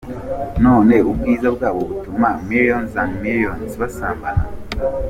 None ubwiza bwabo butuma millions and millions basambana.